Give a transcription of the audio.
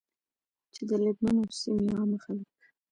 چې د لبنان او سيمي عامه خلک